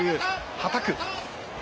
はたく。